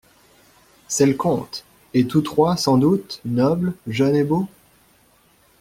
C’est le compte ! et tous trois, sans doute, nobles, jeunes et beaux ?